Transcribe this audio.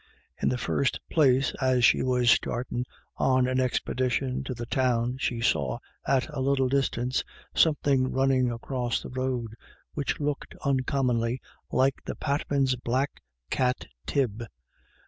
In the first place, as she was starting on an expedition to the town she saw at a little distance something run across the road which looked uncommonly like the Patmans' black cat Tib.